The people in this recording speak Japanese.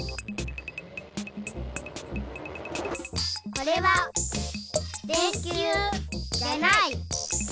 これは電きゅうじゃない。